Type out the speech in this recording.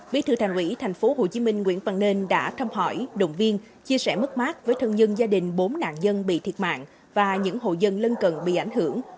bí thư thành ủy tp hcm nguyễn văn nên đã thăm hỏi động viên chia sẻ mất mát với thân nhân gia đình bốn nạn nhân bị thiệt mạng và những hộ dân lân cận bị ảnh hưởng